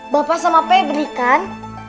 bapak sama pebri kan